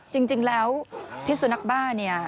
จริงแล้วพิสุนักบ้าเนี่ย